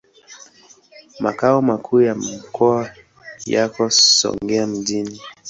Makao makuu ya mkoa yako Songea mjini.